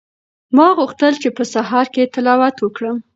ما غوښتل چې په سهار کې تلاوت وکړم.